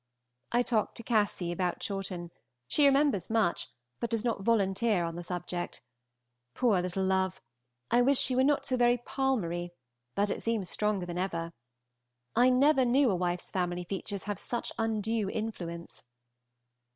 I talk to Cassy about Chawton; she remembers much, but does not volunteer on the subject. Poor little love! I wish she were not so very Palmery, but it seems stronger than ever. I never knew a wife's family features have such undue influence.